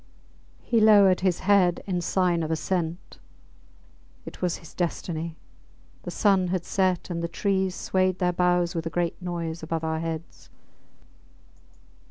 He lowered his head in sign of assent. It was his destiny. The sun had set, and the trees swayed their boughs with a great noise above our heads.